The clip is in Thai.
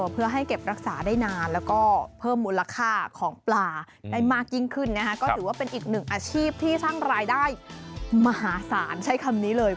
เพื่อให้เก็บรักษาได้นานแล้วก็เพิ่มมูลค่าของปลาได้มากยิ่งขึ้นนะคะก็ถือว่าเป็นอีกหนึ่งอาชีพที่สร้างรายได้มหาศาลใช้คำนี้เลย